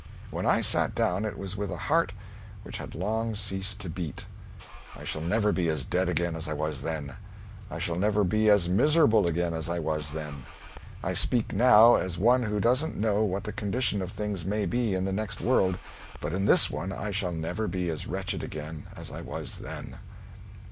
When I sat down it was with a heart which had long ceased to beat. I shall never be as dead again as I was then. I shall never be as miserable again as I was then. I speak now as one who doesn't know what the condition of things may be in the next world, but in this one I shall never be as wretched again as I was then.